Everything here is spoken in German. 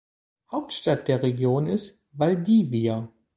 Hauptstadt der Region ist Valdivia.